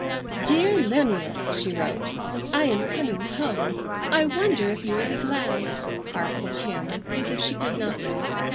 "DEAR LEMUEL:" she wrote:— "I am coming home. I wonder if you will be glad? (Artful Hannah, as if she did not know!)